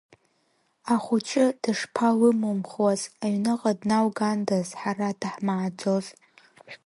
Ахәыҷы дышԥалымумхуаз, аҩныҟа днаугандаз, ҳара даҳмааӡоз!